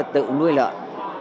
tự nuôi lợn